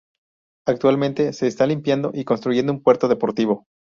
Actualmente se está ampliando y construyendo un puerto deportivo.